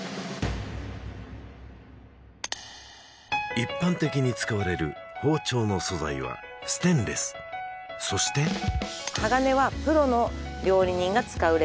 一般的に使われる包丁の素材はステンレスそして「鋼はプロの料理人が使うレベルで」